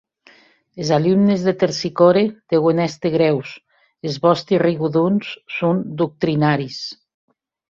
Es alumnes de Tersicore deuen èster grèus, es vòsti rigodons son doctrinaris.